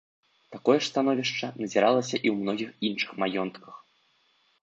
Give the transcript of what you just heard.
Такое ж становішча назіралася і ў многіх іншых маёнтках.